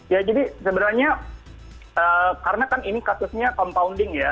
ya jadi sebenarnya karena kan ini kasusnya compounding ya